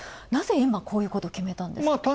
なぜ今こういうこと決めたんですか。